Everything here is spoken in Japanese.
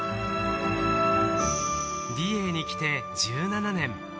美瑛に来て１７年。